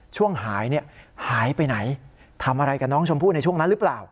ช่วงหายหายไปไหนทำอะไรกับน้องชมพู่ในช่วงนั้นหรือเปล่า